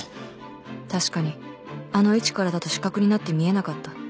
確かにあの位置からだと死角になって見えなかった